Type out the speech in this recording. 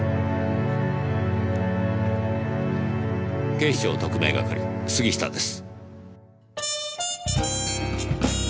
警視庁特命係杉下です。